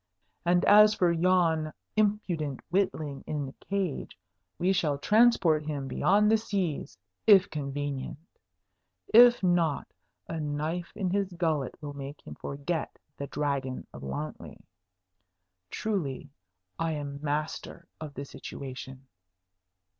And as for yon impudent witling in the cage, we shall transport him beyond the seas, if convenient; if not, a knife in his gullet will make him forget the Dragon of Wantley. Truly, I am master of the situation!"